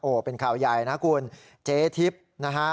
เป็นข่าวใหญ่นะคุณเจ๊ทิพย์นะฮะ